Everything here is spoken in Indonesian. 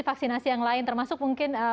vaksinasi yang lain termasuk mungkin